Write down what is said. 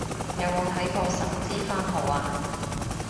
有冇睇過神之番號啊